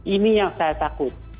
ini yang saya takut